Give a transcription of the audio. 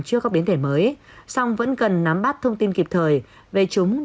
trước các biến thể mới song vẫn cần nắm bắt thông tin kịp thời về chúng